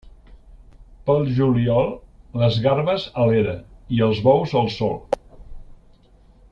Pel juliol, les garbes a l'era i els bous al sol.